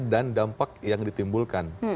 dan dampak yang ditimbulkan